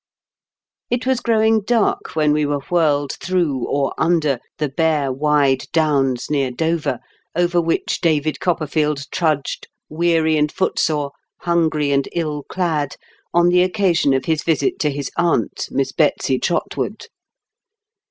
It was growing dark when we were whirled through or under "the bare wide downs near Dover," over which David Copperfield trudged, weary and foot sore, hungry and ill clad, on the occasion of his visit to his aunt. Miss Betsy Trotwood.